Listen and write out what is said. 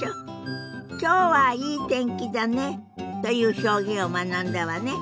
「きょうはいい天気だね」という表現を学んだわね。